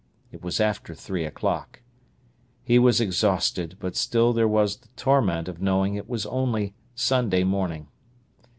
It was after three o'clock. He was exhausted, but still there was the torment of knowing it was only Sunday morning.